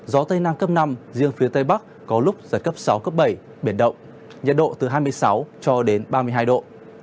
gió tây nam cấp năm riêng phía tây bắc có lúc giật cấp sáu bảy biển đông nhiệt độ từ hai mươi sáu ba mươi hai độ